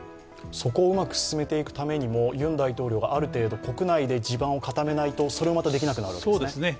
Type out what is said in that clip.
そこをうまく進めていくためにも、ユン大統領がある程度、国内で地盤を固めないとそれもできなくなりますね。